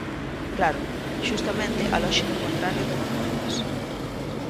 Claro, xustamente a lóxica contraria dos recortes.